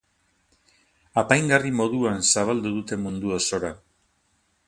Apaingarri moduan zabaldu dute mundu osora.